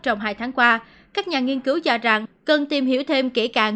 trong hai tháng qua các nhà nghiên cứu cho rằng cần tìm hiểu thêm kỹ càng